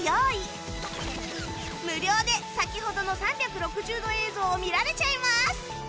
無料で先ほどの３６０度映像を見られちゃいます